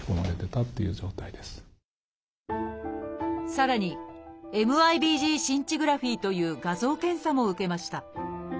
さらに「ＭＩＢＧシンチグラフィー」という画像検査も受けました。